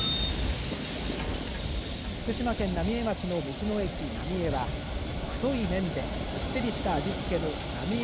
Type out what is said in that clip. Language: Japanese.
福島県浪江町の道の駅、なみえは太い麺でこってりした味付けのなみえ